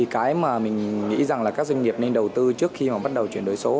cái mà mình nghĩ rằng các doanh nghiệp nên đầu tư trước khi bắt đầu chuyển đổi số